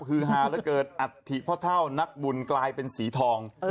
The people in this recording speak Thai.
คือฮาเหลือเกินอัฐิพ่อเท่านักบุญกลายเป็นสีทอง